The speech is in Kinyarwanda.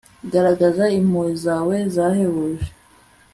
garagaza impuhwe zawe zahebuje